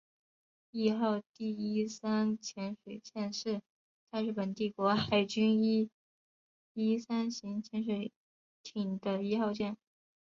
伊号第一三潜水舰是大日本帝国海军伊一三型潜水艇的一号舰。